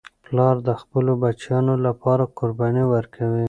پلار د خپلو بچیانو لپاره قرباني ورکوي.